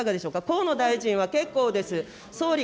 河野大臣は結構です。